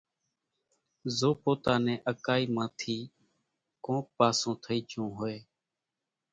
زو پوتا نين اڪائي مان ٿي ڪونڪ پاسون ٿئي جھون ھوئي